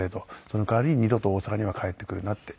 「その代わり二度と大阪には帰ってくるな」って。